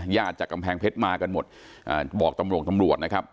ญาติจากกำแพงเพชรมากันหมดบอกตำรวจนะครับ